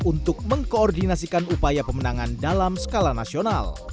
untuk mengkoordinasikan upaya pemenangan dalam skala nasional